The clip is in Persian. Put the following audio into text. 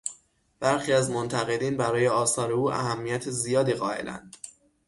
برخی از منقدین برای آثار او اهمیت زیادی قایلند.